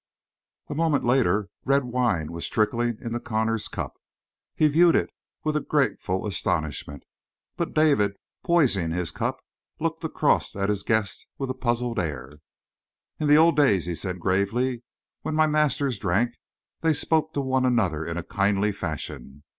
A moment later red wine was trickling into Connor's cup. He viewed it with grateful astonishment, but David, poising his cup, looked across at his guest with a puzzled air. "In the old days," he said gravely, "when my masters drank they spoke to one another in a kindly fashion.